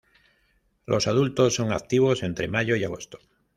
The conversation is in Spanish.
Los adultos son activos entre mayo y agosto.